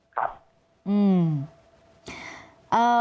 ครับ